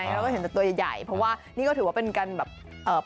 แล้วก็เห็นเป็นตัวใหญ่เพราะว่านี่ก็ถือว่าเป็นการแบบ